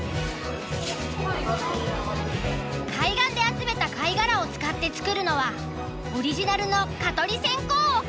海岸で集めた貝殻を使って作るのはオリジナルの蚊取り線香置き。